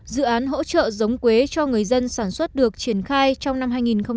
dự án hỗ trợ giống quế cho người dân sản xuất được triển khai trong năm hai nghìn một mươi chín